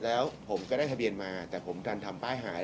แล้วผมก็ได้ทะเบียนมาแต่ผมดันทำป้ายหาย